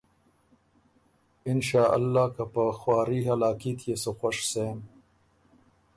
انشاء اللۀ که په خواري هلاکي تيې سُو خؤش سېم